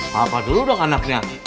papa dulu dong anaknya